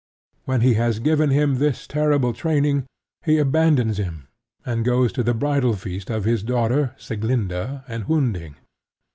When he has given him this terrible training, he abandons him, and goes to the bridal feast of his daughter Sieglinda and Hunding.